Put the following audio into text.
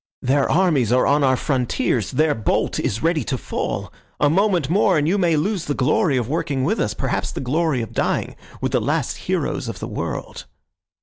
Their armies are on our frontiers. Their bolt is ready to fall. A moment more, and you may lose the glory of working with us, perhaps the glory of dying with the last heroes of the world."